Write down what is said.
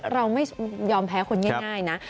เราไม่ยอมแพ้คนง่ายนะ